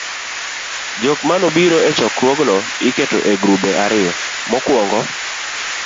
jokmanobiro e chokruogego iketo e grube ariyo: mokuongo